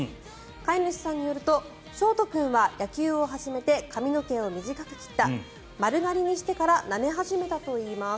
飼い主さんによると勝叶君は野球を始めて髪の毛を短く切った丸刈りにしてからなめ始めたといいます。